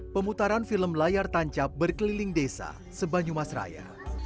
pemutaran film layar tancap berkeliling desa sebanyumasraya